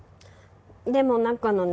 でも中のね